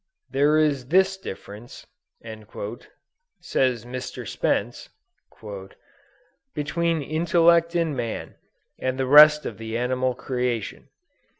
"There is this difference" says Mr. Spence, "between intellect in man, and the rest of the animal creation.